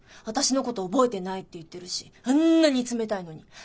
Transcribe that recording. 私のこと覚えてないって言ってるしあんなに冷たいのに。